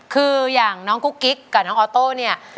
คืออย่างน้องกุ๊กกิ๊กกับน้องออโต้เนี่ย